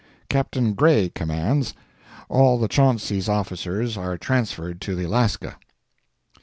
Captain Gray commands. All the Chauncey's officers are transferred to the Alaska.